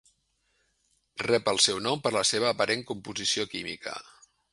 Rep el seu nom per la seva aparent composició química.